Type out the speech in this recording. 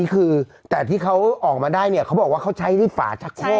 คือแต่ที่เขาออกมาได้เนี่ยเขาบอกว่าเขาใช้ที่ฝาชะโคก